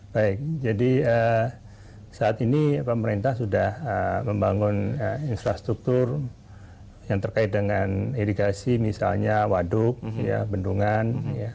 baik jadi saat ini pemerintah sudah membangun infrastruktur yang terkait dengan irigasi misalnya waduk bendungan